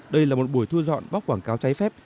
đây là một buổi thua dọn bóc quảng cáo cháy phép